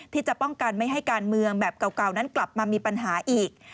ที่จะป้องกันไม่ให้การเมืองแบบเก่านั้นกลับมามีปัญหาอีก